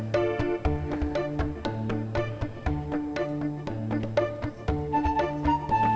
terima kasih pak